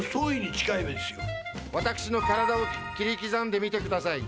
私の体を切り刻んでみてください。